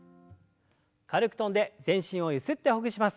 軽く跳んで全身をゆすってほぐします。